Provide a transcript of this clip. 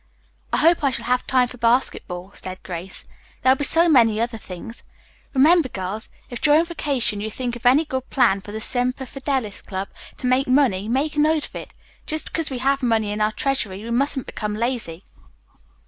"I hope I shall have time for basketball," said Grace. "There will be so many other things. Remember, girls, if during vacation you think of any good plan for the Semper Fidelis Club to make money, make a note of it. Just because we have money in our treasury, we mustn't become lazy.